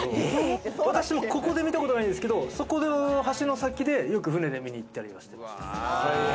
私もここで見たことはないですけど、そこの橋の先で、よく船で見に行ったりはしてました。